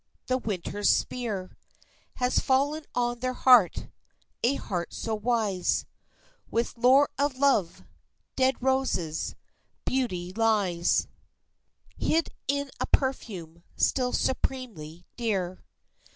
The winter's spear Has fallen on their heart, a heart so wise With lore of love. Dead roses. Beauty lies Hid in a perfume still supremely dear.